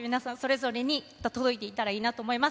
それぞれに届いていたらいいなって思います。